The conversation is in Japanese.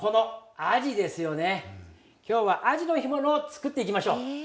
今日はアジの干物を作っていきましょう。